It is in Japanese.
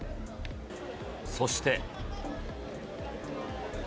そして。